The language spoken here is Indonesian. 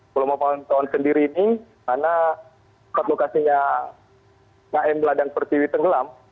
pulau pangkep sendiri ini karena lokasinya kn ladang pertiwi tenggelam